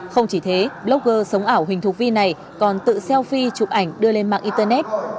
không chỉ thế blogger sống ảo huỳnh thục vi này còn tự selfie chụp ảnh đưa lên mạng internet